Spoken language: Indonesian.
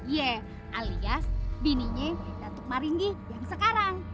iya alias bininya datuk maringgi yang sekarang